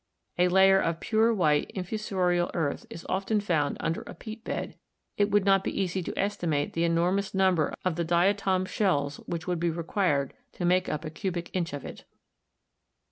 A layer of pure white infusorial earth is often found under a peat bed ; it would not be easy to estimate the enormous number of the diatom shells that would be required to make up a cubic inch of it.